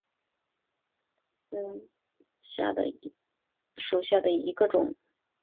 弹弓肿寄居蟹为拟寄居蟹科肿寄居蟹属下的一个种。